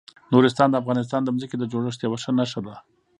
نورستان د افغانستان د ځمکې د جوړښت یوه ښه نښه ده.